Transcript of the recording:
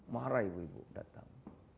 marah ibu ibu datang